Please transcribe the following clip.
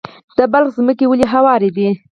د بلخ ځمکې ولې هوارې دي؟